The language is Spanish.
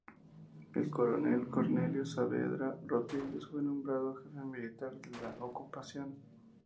El coronel Cornelio Saavedra Rodríguez fue nombrado jefe militar de la ocupación.